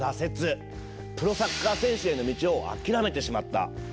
プロサッカー選手への道を諦めてしまった。